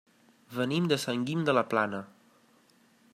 Venim de Sant Guim de la Plana.